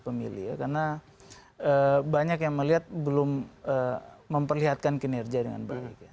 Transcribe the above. pemilih ya karena banyak yang melihat belum memperlihatkan kinerja dengan baik ya